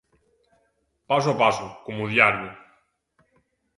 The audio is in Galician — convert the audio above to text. Paso a paso como a diario.